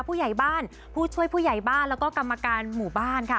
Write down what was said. ผู้ใหญ่บ้านผู้ช่วยผู้ใหญ่บ้านแล้วก็กรรมการหมู่บ้านค่ะ